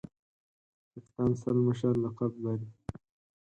کپتان سل مشر لقب لري.